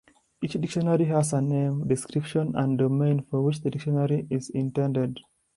Each Dictionary has a name, description and "domain" for which the Dictionary is intended.